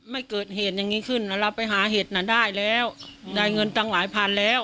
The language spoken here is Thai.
ไม่เกิดเหตุอย่างนี้ขึ้นเราไปหาเห็ดน่ะได้แล้วได้เงินตั้งหลายพันแล้ว